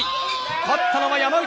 勝ったのは山内！